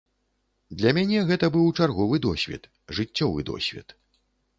Для мяне гэта быў чарговы досвед, жыццёвы досвед.